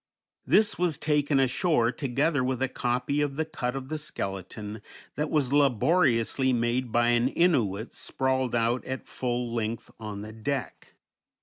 This was taken ashore, together with a copy of the cut of the skeleton that was laboriously made by an Innuit sprawled out at full length on the deck.